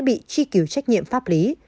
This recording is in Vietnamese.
ông tê cũng sẽ bị tri cứu trách nhiệm pháp lý